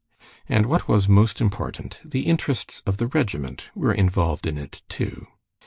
And what was most important, the interests of the regiment were involved in it too.